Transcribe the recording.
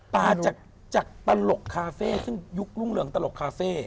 มาจากตลกคาเฟ่ซึ่งยุครุ่งเรืองตลกคาเฟ่